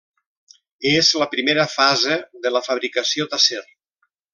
És la primera fase de la fabricació d'acer.